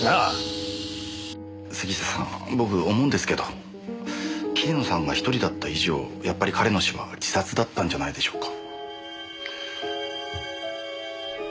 杉下さん僕思うんですけど桐野さんが１人だった以上やっぱり彼の死は自殺だったんじゃないでしょうか。